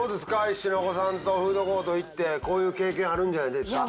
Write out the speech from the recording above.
一緒にお子さんとフードコート行ってこういう経験あるんじゃないですか？